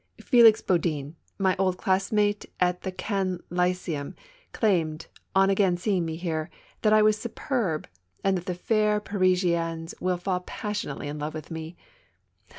Felix Budin, my old classmate at the Caen Lyceum, claimed, on again seeing me here, that I was superb* and that the fair Parisiennes will fall pas sionately in love with me.